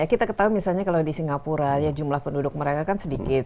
kita ketahui misalnya kalau di singapura ya jumlah penduduk mereka kan sedikit